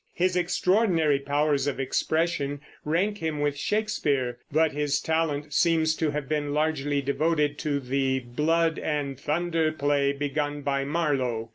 His extraordinary powers of expression rank him with Shakespeare; but his talent seems to have been largely devoted to the blood and thunder play begun by Marlowe.